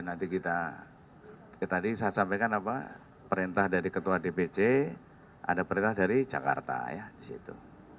nanti kita tadi saya sampaikan apa perintah dari ketua dpc ada perintah dari jakarta ya di situ